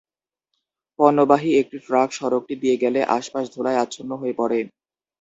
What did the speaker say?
পণ্যবাহী একটি ট্রাক সড়কটি দিয়ে গেলে আশপাশ ধুলায় আচ্ছন্ন হয়ে পড়ে।